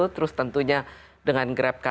terus tentunya dengan grab